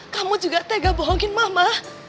kamu juga tega bohongin mama